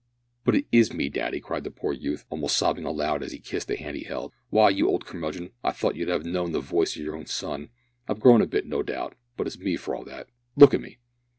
"But it is me, daddy," cried the poor youth, almost sobbing aloud as he kissed the hand he held, "why, you old curmudgeon, I thought you'd 'ave know'd the voice o' yer own son! I've grow'd a bit, no doubt, but it's me for all that. Look at me!"